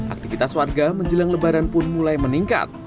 aktivitas warga menjelang lebaran pun mulai meningkat